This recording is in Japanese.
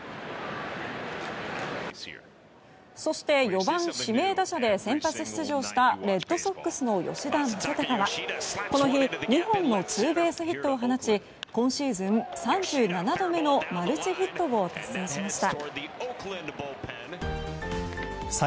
そして４番、指名打者で先発出場したレッドソックスの吉田正尚はこの日、２本のツーベースヒットを放ち今シーズン３７度目のマルチヒットを達成しました。